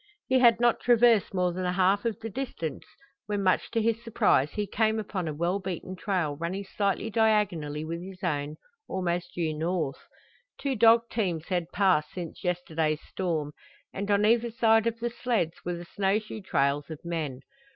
He had not traversed more than a half of the distance when much to his surprise he came upon a well beaten trail running slightly diagonally with his own, almost due north. Two dog teams had passed since yesterday's storm, and on either side of the sleds were the snow shoe trails of men.